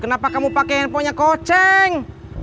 kenapa kamu pakai handphonenya koceng